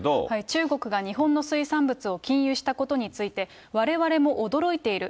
中国が日本の水産物を禁輸したことについて、われわれも驚いている。